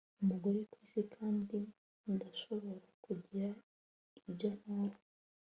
umugore kwisi kandi ndashobora kugira ibyo ntora